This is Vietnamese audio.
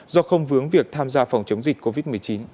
do không vướng việc tham gia phòng chống dịch covid một mươi chín